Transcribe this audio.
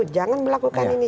jangan berlakukan itu